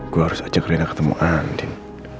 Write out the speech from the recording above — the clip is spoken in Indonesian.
gue harus ajak rina ketemu andin